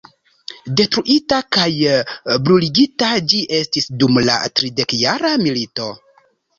Detruita kaj bruligita ĝi estis dum la tridekjara milito.